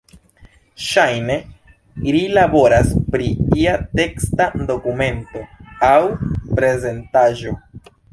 Ŝajne ri laboras pri ia teksta dokumento aŭ prezentaĵo.